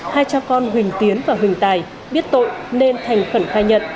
hai cha con huỳnh tiến và huỳnh tài biết tội nên thành khẩn khai nhận